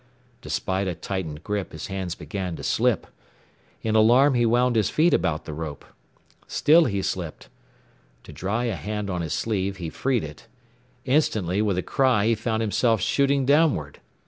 Despite a tightened grip his hands began to slip. In alarm he wound his feet about the rope. Still he slipped. To dry a hand on his sleeve, he freed it. Instantly with a cry he found himself shooting downward.